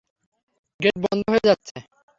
Gate বন্ধ হয়ে যাচ্ছে।